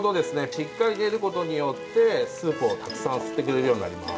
しっかり練ることによってスープをたくさん吸ってくれるようになります。